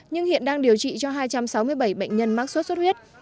nhưng hiện đang điều trị cho hai trăm sáu mươi bảy bệnh nhân mắc sốt xuất huyết